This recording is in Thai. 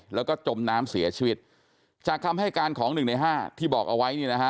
แล้วก็จมน้ำเสียชีวิตจากคำให้การของหนึ่งในห้าที่บอกเอาไว้เนี่ยนะฮะ